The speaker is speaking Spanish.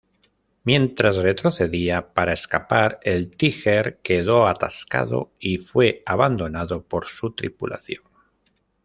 Mientras retrocedía para escapar, el Tiger quedó atascado y fue abandonado por su tripulación.